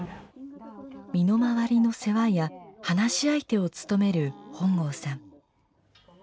身の回りの世話や話し相手を務める本郷さん。